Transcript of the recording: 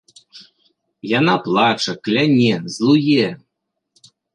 Яна плача, кляне, злуе.